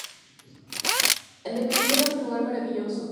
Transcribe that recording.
En definitiva es un lugar maravilloso.